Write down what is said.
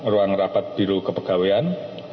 ruang rapat biru kepegawaian